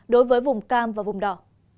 đối với vùng cam và vùng đỏ